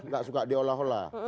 tidak suka diolah olah